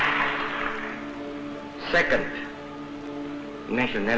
ketiga keempat keadilan sosial